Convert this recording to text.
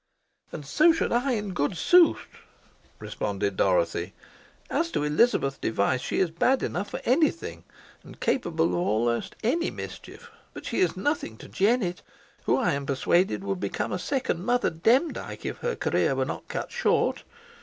"And so should I, in good sooth," responded Dorothy. "As to Elizabeth Device, she is bad enough for any thing, and capable of almost any mischief: but she is nothing to Jennet, who, I am persuaded, would become a second Mother Demdike if her career were not cut short.